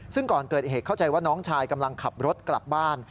ซึ่งก่อนเกิดเหตุเข้าใจว่าน้องชายกำลังขับรถกลับบ้าน